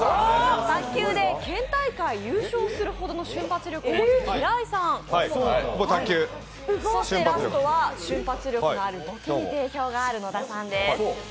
卓球で県大会優勝するほどの瞬発力を持つ平井さん、ラストは瞬発力のあるボケに定評のある野田さんです。